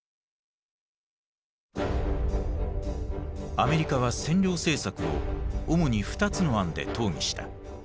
アメリカは占領政策を主に２つの案で討議した。